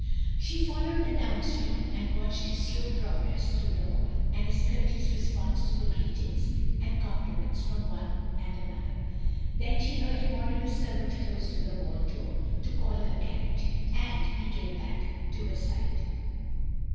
She followed the down stream, and watched his slow progress through the hall, and his courteous response to the greetings and compli OF GROSVENOR SQUARE 193 ments from one and another; then she heard him order a servant close to the hall door to call her carriage; and he came back to her side.